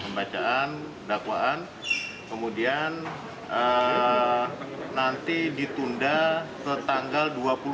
pembacaan dakwaan kemudian nanti ditunda ke tanggal dua puluh tiga